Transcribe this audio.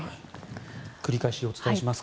繰り返しお伝えします。